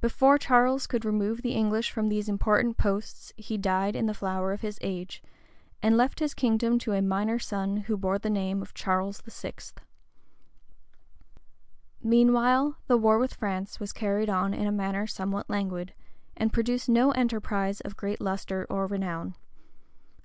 Before Charles could remove the English from these important posts, he died in the flower of his age, and left his kingdom to a minor son who bore the name of Charles VI. {1378.} Meanwhile the war with France was carried on in a manner somewhat languid, and produced no enterprise of great lustre or renown.